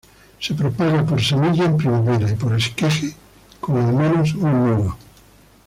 Se propaga por semilla en primavera y por esqueje con, al menos, un nudo.